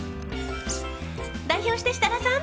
代表して設楽さん！